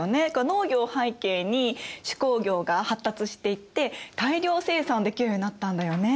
農業を背景に手工業が発達していって大量生産できるようになったんだよね。